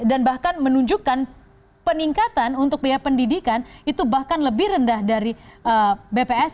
dan bahkan menunjukkan peningkatan untuk biaya pendidikan itu bahkan lebih rendah dari bps